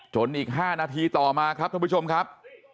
อีก๕นาทีต่อมาครับท่านผู้ชมครับ